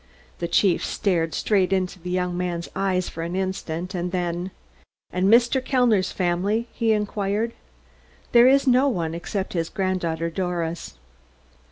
The chief stared straight into the young man's eyes for an instant, and then: "And Mr. Kellner's family?" he inquired. "There is no one, except his granddaughter, Doris."